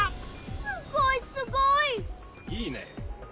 すごいすごい！いいね！